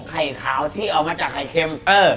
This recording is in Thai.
ไข่ขาวที่ออกมาจากไข่เค็ม